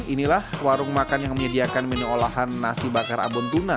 inilah warung makan yang menyediakan menu olahan nasi bakar abon tuna